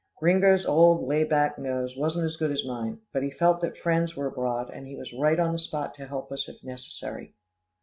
Gringo's old lay back nose wasn't as good as mine, but he felt that friends were abroad, and he was right on the spot to help us if necessary.